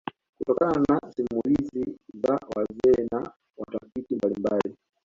Kutokana na simulizi za wazee na watafiti mbalimbali